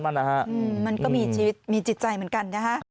มันก็มีชีวิตมีจิตใจเหมือนกันนะคะ